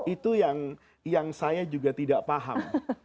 itu yang saya juga tidak paham